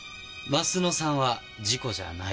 鱒乃さんは事故じゃない。